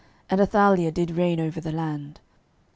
And Athaliah did reign over the land.